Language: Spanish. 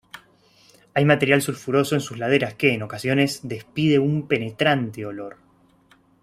Hay material sulfuroso en sus laderas el que, en ocasiones, despide un penetrante olor.